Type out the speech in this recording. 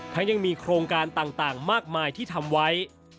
ยังมีโครงการต่างมากมายที่ทำไว้